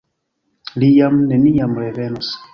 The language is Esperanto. Li jam neniam revenos.